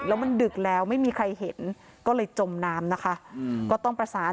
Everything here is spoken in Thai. แล้วมันดึกแล้วไม่มีใครเห็นก็เลยจมน้ำนะคะก็ต้องประสาน